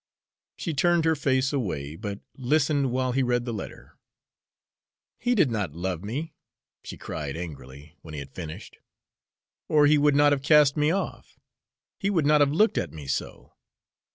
She turned her face away, but listened while he read the letter. "He did not love me," she cried angrily, when he had finished, "or he would not have cast me off he would not have looked at me so.